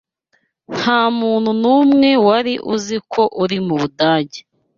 Nta muntu n'umwe wari uzi ko uri mu Budage.